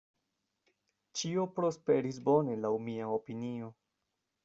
Ĉio prosperis bone laŭ mia opinio.